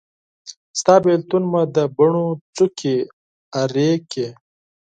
ستا بیلتون مې د بڼو څوکي ارې کړې